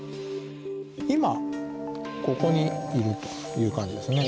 今ここにいるという感じですね。